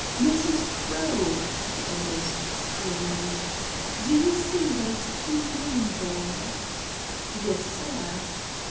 "Mrs. Crowe," he almost screamed, "do you see those two men there?" "Yes, sir."